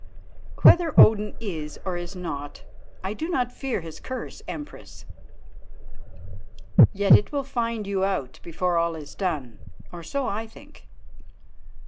"Whether Odin is or is not, I do not fear his curse, Empress." "Yet it will find you out before all is done, or so I think.